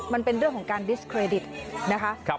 มันเป็นเรื่องของการดิสเครดิตนะคะ